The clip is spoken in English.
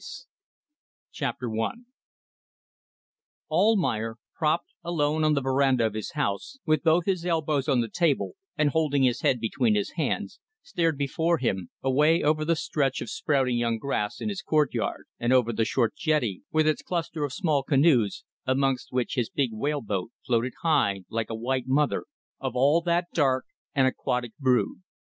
PART V CHAPTER ONE Almayer propped, alone on the verandah of his house, with both his elbows on the table, and holding his head between his hands, stared before him, away over the stretch of sprouting young grass in his courtyard, and over the short jetty with its cluster of small canoes, amongst which his big whale boat floated high, like a white mother of all that dark and aquatic brood.